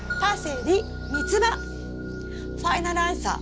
ファイナルアンサー。